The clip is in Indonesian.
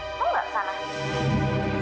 mau gak kesana